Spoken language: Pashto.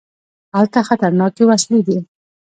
هلته خطرناکې وسلې دي.